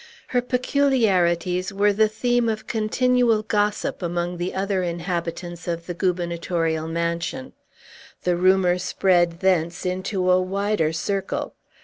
Her peculiarities were the theme of continual gossip among the other inhabitants of the gubernatorial mansion. The rumor spread thence into a wider circle.